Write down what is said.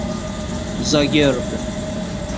زاگرب